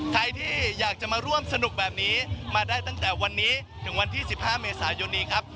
ใครที่อยากจะมาร่วมสนุกแบบนี้มาได้ตั้งแต่วันนี้ถึงวันที่๑๕เมษายนนี้ครับ